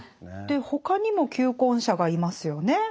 他にも求婚者がいますよね。